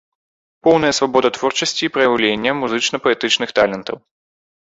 Поўная свабода творчасці і праяўлення музычна-паэтычных талентаў.